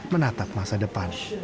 menatap masa depan